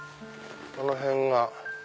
あの辺が。